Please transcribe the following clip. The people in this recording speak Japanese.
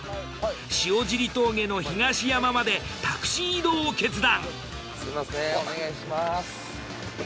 塩尻峠の東山までタクシー移動を決断。